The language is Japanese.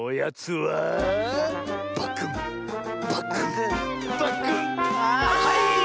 はい！